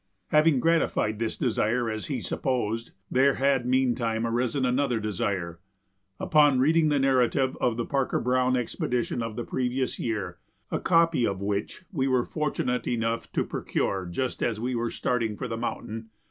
Having gratified this desire, as he supposed, there had meantime arisen another desire, upon reading the narrative of the Parker Browne expedition of the previous year, a copy of which we were fortunate enough to procure just as we were starting for the mountain.